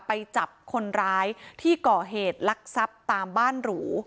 ไปจับคนร้ายที่ก่อเหตุลักษัพตามบ้านหรู